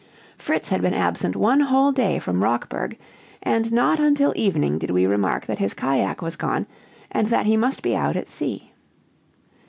Fritz had been absent one whole day from Rockburg, and not until evening did we remark that his cajack was gone, and that he must be out at sea.